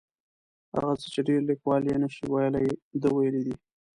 هغه څه چې ډېر لیکوال یې نشي ویلی ده ویلي دي.